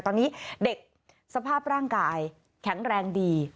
ตอนนี้เด็กสภาพร่างกายแข็งแรงดี